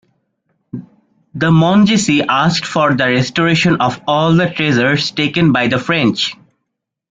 The Monzesi asked for the restoration of all the treasures taken by the French.